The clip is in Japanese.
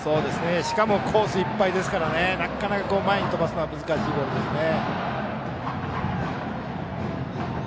しかもコースいっぱいですからなかなか前に飛ばすのは難しいボールですね。